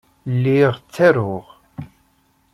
Lliɣ ttaruɣ.